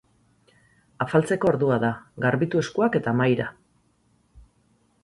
Afaltzeko ordua da, garbitu eskuak eta mahaira!